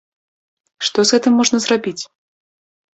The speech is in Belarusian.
Што з гэтым можна зрабіць?